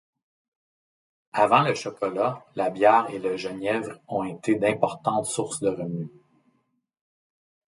Avant le chocolat, la bière et le genièvre ont été d'importantes sources de revenu.